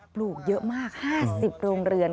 ปลูกเยอะมาก๕๐โรงเรือน